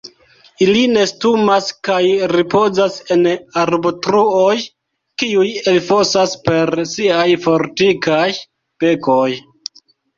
Ili nestumas kaj ripozas en arbotruoj kiuj elfosas per siaj fortikaj bekoj.